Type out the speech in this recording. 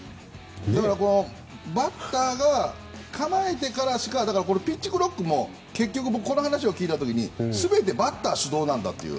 バッターが構えてからしかこれ、ピッチクロックも結局、この話を聞いた時に全てバッター主導なんだという。